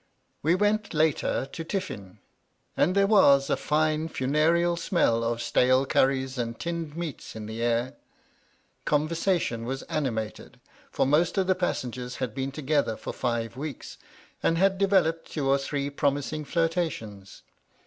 We went, later, to tiffin, and there was a fine funereal smeU of stale curries and tinned meats in the air. Conversation was animated, for most of the passengers had been together for five weeks and had developed two or three promising flir tations.